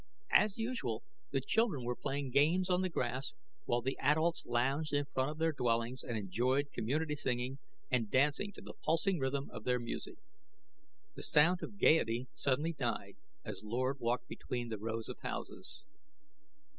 As usual, the children were playing games on the grass, while the adults lounged in front of their dwellings or enjoyed community singing and dancing to the pulsing rhythm of their music. The sound of gaiety suddenly died as Lord walked between the rows of houses.